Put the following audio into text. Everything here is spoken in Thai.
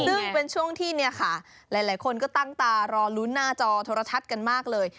ซึ่งเป็นช่วงที่เนี่ยค่ะหลายคนก็ตั้งตารอลุ้นหน้าจอโทรทัศน์กันมากเลย